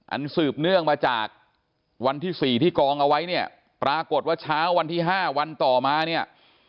สืบเนื่องมาจากวันที่๔ที่กองเอาไว้เนี่ยปรากฏว่าเช้าวันที่๕วันต่อมาเนี่ย